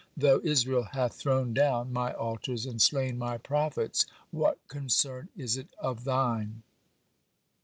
Though Israel hath thrown down My altars and slain My prophets, what concern is it of thine?"